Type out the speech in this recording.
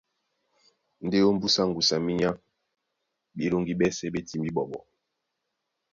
Ndé ómbúsá ŋgusu a minyá ɓeloŋgi ɓɛ́sɛ̄ ɓé timbí ɓɔɓɔ.